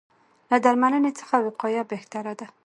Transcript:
له درملنې څخه وقایه بهتره ده.